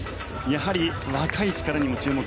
やはり若い力にも注目。